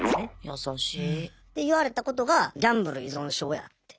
優しい。で言われたことがギャンブル依存症やって。